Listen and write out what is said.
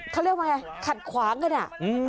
เขาเรียกว่าไงขัดขวางกันอ่ะ